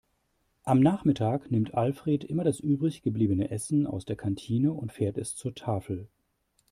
Am Nachmittag nimmt Alfred immer das übrig gebliebene Essen aus der Kantine und fährt es zur Tafel.